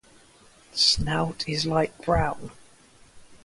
Snout is light brown.